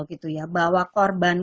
gitu ya bahwa korban